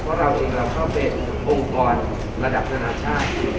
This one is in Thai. เพราะเราเองเราก็เป็นองค์กรระดับนานาชาติ